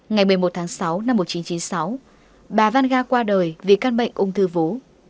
ngày một mươi một tháng sáu năm một nghìn chín trăm chín mươi sáu bà vanga qua đời vì căn bệnh ung thư vú